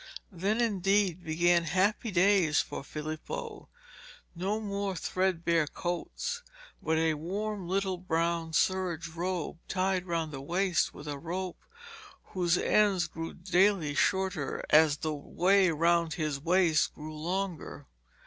Then, indeed, began happy days for Filippo. No more threadbare coats, but a warm little brown serge robe, tied round the waist with a rope whose ends grew daily shorter as the way round his waist grew longer.